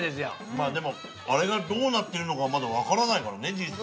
まあでもあれがどうなっているのかはまだ分からないからね実際。